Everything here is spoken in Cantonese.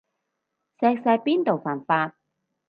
錫錫邊度犯法